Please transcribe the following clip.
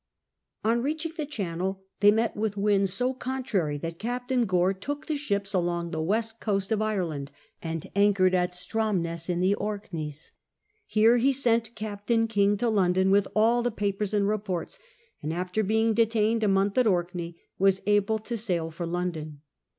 On reaching the Channel* they met with winds so contrary that Captain Gore took the ships along the west coast of Ireland, and anchored at Stromness in the Orkneys. Here ho sent Captain King to London with all the papers and reports, and after being detained a month at Orkney was able to sail for London.